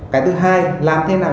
cái thứ hai làm thế nào